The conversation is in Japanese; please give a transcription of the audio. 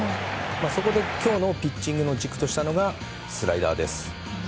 そこで今日のピッチングの軸としたのがスライダーです。